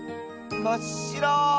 まっしろ。